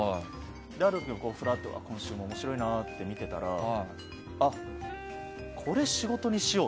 ある時にふらっと今週も面白いなって見ていたらあっ、これ仕事にしよう！